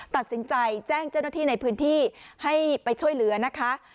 ตัดสินใจแจ้งเจ้าหน้าที่ในพื้นที่ให้ไปช่วยเหลือนะคะ